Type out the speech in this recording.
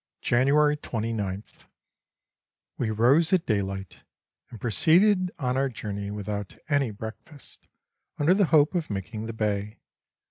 January 2Sth, >We rose at daylight and proceeded on our journey without any breakfast, under the hope of making the bay.